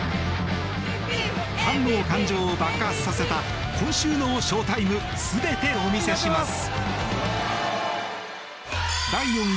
ファンの感情を爆発させた今週のショータイム全てお見せします。